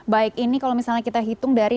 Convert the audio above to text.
baik ini kalau misalnya kita hitung dari